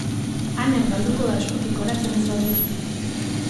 Aner galduko da eskutik oratzen ez baduzu.